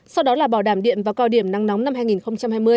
sau đó là bảo đảm điện vào cao điểm nắng nóng năm hai nghìn hai mươi